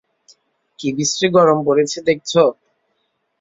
কী বিশ্রী গরম পড়েছে দেখছ?